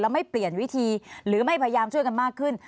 ไม่เปลี่ยนวิธีหรือไม่พยายามช่วยกันมากขึ้น